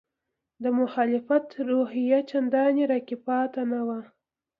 د مخالفت روحیه چندانې راکې پاتې نه وه.